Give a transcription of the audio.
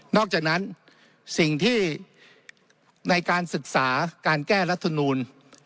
อกจากนั้นสิ่งที่ในการศึกษาการแก้รัฐมนูล